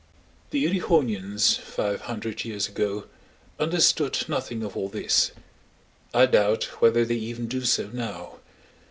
The Erewhonians five hundred years ago understood nothing of all this—I doubt whether they even do so now.